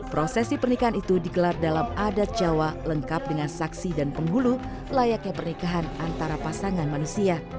prosesi pernikahan itu digelar dalam adat jawa lengkap dengan saksi dan penghulu layaknya pernikahan antara pasangan manusia